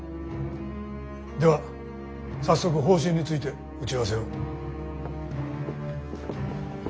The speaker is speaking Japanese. では早速方針について打ち合わせを。